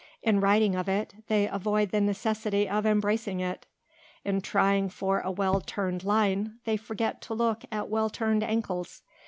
"In writing of it they avoid the necessity of embracing it. In trying for a well turned line they forget to look at well turned ankles.